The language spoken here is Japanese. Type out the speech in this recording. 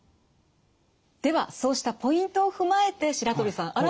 ではそうしたポイントを踏まえて白鳥さん